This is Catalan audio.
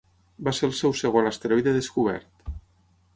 Va ser el seu segon asteroide descobert.